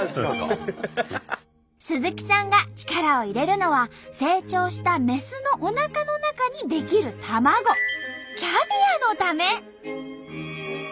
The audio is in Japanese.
鈴木さんが力を入れるのは成長したメスのおなかの中に出来る卵キャビアのため！